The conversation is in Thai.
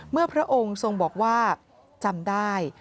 พระองค์ทรงบอกว่าจำได้